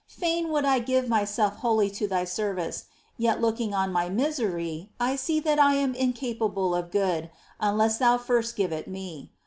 Fain would I give myself wholly to Thy service, yet, looking on my misery, I see that I am incapable of good, unless Thou first give it me.